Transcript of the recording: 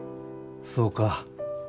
そうか。